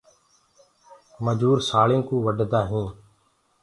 مجوُر سآݪینٚ ڪوُ وڍدآ هينٚ